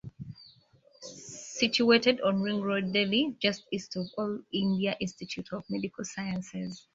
Situated on Ring Road, Delhi, just east of All India Institute of Medical Sciences.